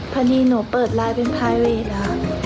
พอดีหนูเปิดไลน์เป็นพายเวทค่ะ